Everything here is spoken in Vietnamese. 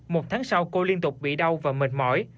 một tháng sau cô liên tục bị đau và mệt mỏi